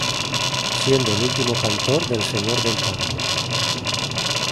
Siendo el último cantor del Señor del Tango.